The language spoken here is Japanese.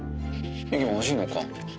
雪も欲しいのか。